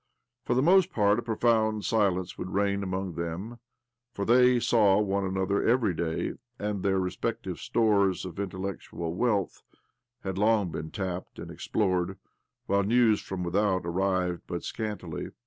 For the most part a profound silence would reign among them, for they saw one another every day, and their respec tive stores of intellectual wealth had long been tapped and explored, while news from without arrived but scantily.